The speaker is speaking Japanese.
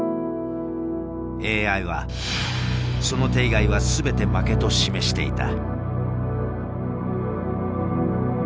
ＡＩはその手以外は全て負けと示していた。